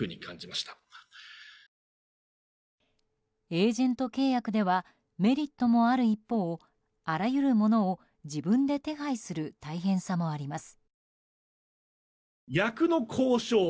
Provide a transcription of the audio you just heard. エージェント契約ではメリットもある一方あらゆるものを自分で手配する大変さもあります。